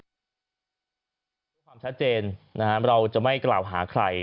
ความชัดเจนเราจะไม่กล่าวหาใคร